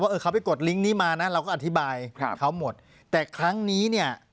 เออเขาไปกดลิงก์นี้มานะเราก็อธิบายครับเขาหมดแต่ครั้งนี้เนี่ย